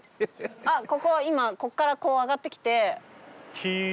あっここは今ここからこう上がってきて。